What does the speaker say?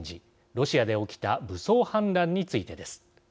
ロシアで起きた武装反乱についてです。